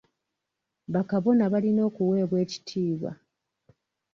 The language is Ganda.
Ba kabona balina okuweebwa ekitiibwa.